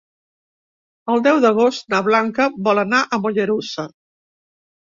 El deu d'agost na Blanca vol anar a Mollerussa.